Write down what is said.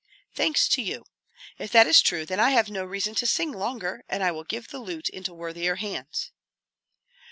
"Thanks to you. If that is true, then I have no reason to sing longer, and I will give the lute into worthier hands."